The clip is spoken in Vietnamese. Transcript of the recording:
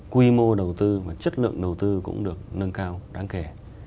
quy mô đầu tư mà chất lượng đầu tư cũng được nâng cao đáng kể